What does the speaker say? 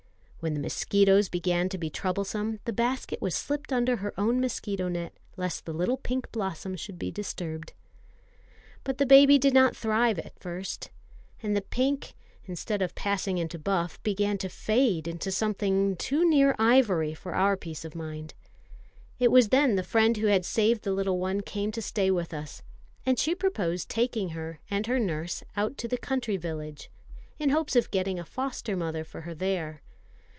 When the mosquitoes began to be troublesome, the basket was slipped under her own mosquito net, lest the little pink blossom should be disturbed. But the baby did not thrive at first; and the pink, instead of passing into buff, began to fade into something too near ivory for our peace of mind. It was then the friend who had saved the little one came to stay with us; and she proposed taking her and her nurse out to her country village, in hopes of getting a foster mother for her there.